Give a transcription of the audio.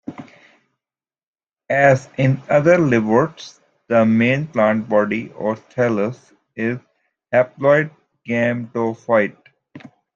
As in other liverworts, the main plant body or thallus is a haploid gametophyte.